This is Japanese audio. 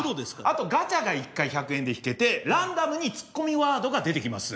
あとガチャが１回１００円で引けてランダムにツッコミワードが出てきます。